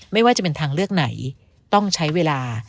ไม่ว่าจะเป็นทางเลือกไหนต้องใช้เวลา